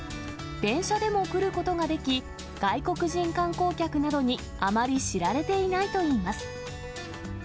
電車でも来ることができ、外国人観光客などにあまり知られていないといいます。